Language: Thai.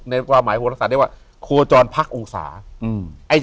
ในความหมายโหลศาสตร์ได้ว่าโคจรพักองศา